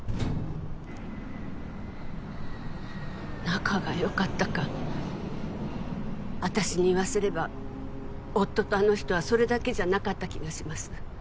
仲が良かったか私に言わせれば夫とあの人はそれだけじゃなかった気がします。